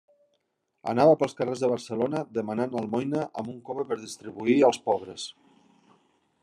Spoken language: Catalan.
Anava pels carrers de Barcelona demanant almoina amb un cove per distribuir als pobres.